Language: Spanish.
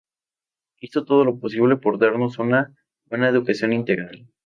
Hizo todo lo posible por darnos una buena educación integral.